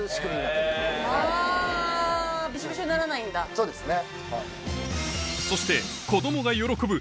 そうですね。